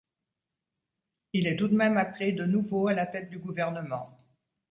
Il est tout de même appelé de nouveau à la tête du gouvernement.